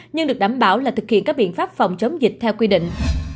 nhưng được đảm bảo là thực hiện các biện pháp phòng chống dịch theo quy định